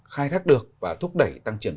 khai thác được và thúc đẩy tăng trưởng